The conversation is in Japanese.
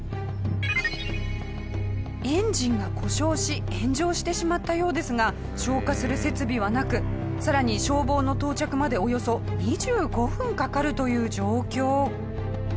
エンジンが故障し炎上してしまったようですが消火する設備はなく更に消防の到着までおよそ２５分かかるという状況。